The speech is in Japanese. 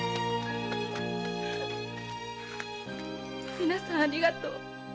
みなさんありがとう。